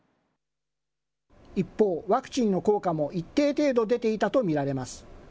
一方、ワクチンの効果も一定程度、出ていたと見られています。